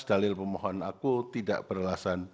dalil pemohon aku tidak beralasan